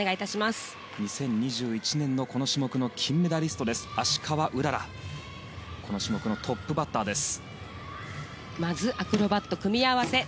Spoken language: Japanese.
２０２１年のこの種目の金メダリスト芦川うららがこの種目のトップバッターです。